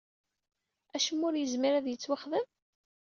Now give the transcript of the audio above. Acemma ur yezmir ad yettwaxdem?